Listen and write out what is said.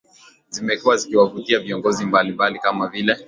Zimekuwa zikiwavutia viongozi mbali mbali kama vile